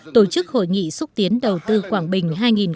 tổ chức hội nghị xúc tiến đầu tư quảng bình hai nghìn một mươi chín